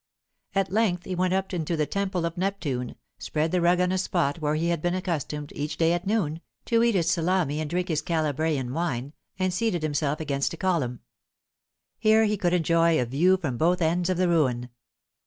At length he went up into the Temple of Neptune, spread the rug on a spot where he had been accustomed, each day at noon, to eat his salame and drink his Calabrian wine, and seated himself against a column. Here he could enjoy a view from both ends of the ruin.